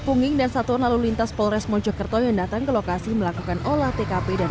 pungging dan satuan lalu lintas polres mojokerto yang datang ke lokasi melakukan olah tkp dan